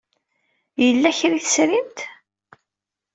Yella kra ay tesrimt?